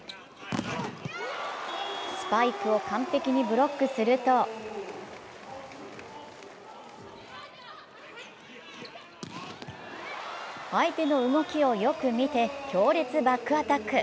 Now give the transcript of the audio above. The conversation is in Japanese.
スパイクを完璧にブロックすると相手の動きをよく見て、強烈バックアタック。